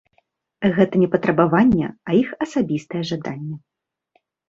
Гэта не патрабаванне, а іх асабістае жаданне.